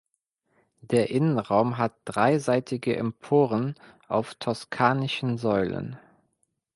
Der Innenraum hat dreiseitige Emporen auf toskanischen Säulen.